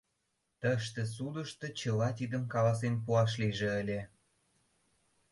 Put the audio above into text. Тыште, судышто, чыла тидым каласен пуаш лийже ыле!